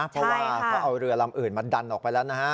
เพราะว่าเขาเอาเรือลำอื่นมาดันออกไปแล้วนะฮะ